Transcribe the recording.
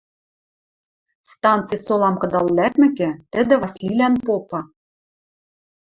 Станци солам кыдал лӓкмӹкӹ, тӹдӹ Васлилӓн попа: